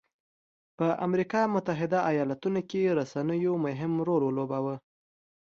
په امریکا متحده ایالتونو کې رسنیو مهم رول ولوباوه.